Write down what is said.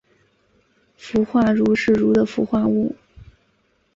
氟化铷是铷的氟化物。